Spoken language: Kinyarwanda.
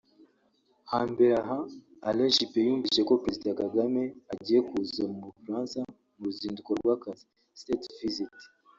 hambere aha Alain Juppe yumvise ko President kagame agiye kuza mu bufransa mu ruzinduko rw’akazi (state visit)